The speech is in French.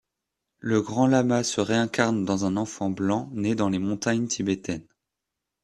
Le Grand Lama se réincarne dans un enfant blanc, né dans les montagnes tibétaines.